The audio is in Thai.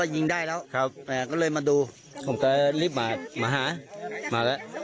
ยิงได้แล้วครับก็เลยมาดูผมก็รีบมาหามาแล้ว